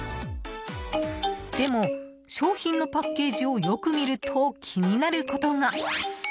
でも、商品のパッケージをよく見ると気になることが。